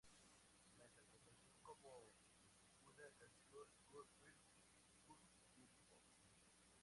La interpretaron como una canción góspel uptempo.